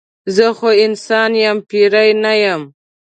زه خو انسان یم پیری نه یم.